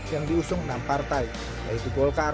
yang diusung enam partai yaitu golkar